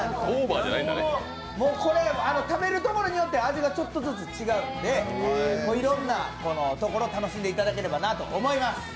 これ、食べるところによって味がちょっとずつ違う、いろんなところを楽しんでいただければと思います。